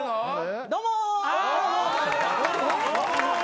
どうも。